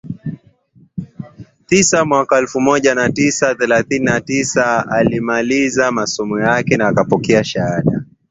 tisa Mwaka elfu moja mia tisa thelathini na tisa alimaliza masomo akapokea shahada ya